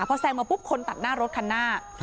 พอแซงมาปุ๊บคนตัดหน้ารถคันหน้า